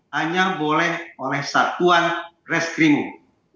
hanya boleh oleh satuan reskrimum